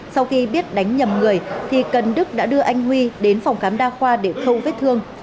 sau khi biết đánh nhầm người thì cần đức đã đưa anh huy đến phòng khám đa khoa để khâu vết thương